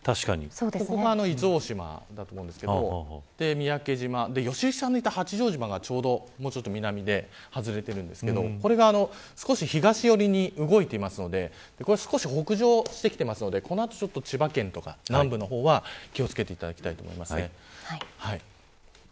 ここが伊豆大島だと思うんですけど三宅島、良幸さんのいた八丈島がもうちょっと南で外れているんですけどこれが少し東寄りに動いていますので少し北上してきているのでこの後、千葉県とか南部の方は気を付けてほしいと思います。